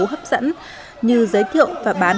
hấp dẫn như giới thiệu và bán